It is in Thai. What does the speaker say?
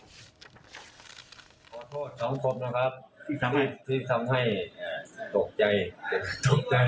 ขอโทษทั้งสมนะครับที่ทำให้ตกใจนะ